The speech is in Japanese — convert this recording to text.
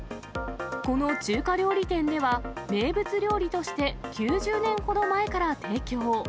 この中華料理店では、名物料理として９０年ほど前から提供。